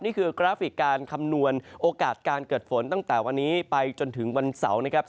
กราฟิกการคำนวณโอกาสการเกิดฝนตั้งแต่วันนี้ไปจนถึงวันเสาร์นะครับ